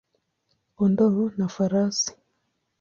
kondoo na farasi.